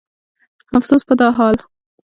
افسوس په دا حال